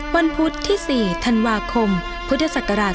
พุธที่๔ธันวาคมพุทธศักราช๒๕